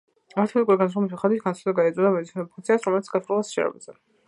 მათემატიკური განსაზღვრის მიხედვით, სტატისტიკა ეწოდება ზომად ფუნქციას, რომელიც განსაზღვრულია შერჩევაზე.